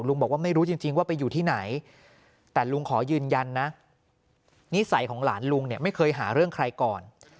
บอกว่าไม่รู้จริงว่าไปอยู่ที่ไหนแต่ลุงขอยืนยันนะนิสัยของหลานลุงเนี่ยไม่เคยหาเรื่องใครก่อน